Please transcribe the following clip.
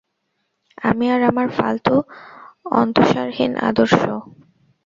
আমি আর আমার ফালতু অন্তস্বারহীন আদর্শ।